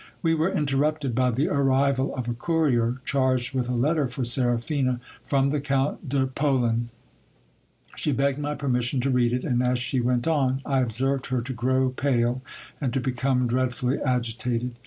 We were interrupted by the arrival of a courier, charged with a letter for Seraphina from the Count De Polarf. She begged my permission to read it ; and as she went on, I observed her to grow pale, and to become dreadfully agitated.